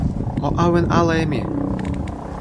o awen ala e mi!